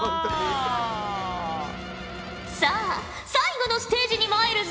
さあ最後のステージにまいるぞ。